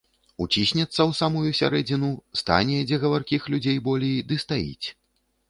Уціснецца ў самую сярэдзіну, стане, дзе гаваркіх людзей болей, ды стаіць.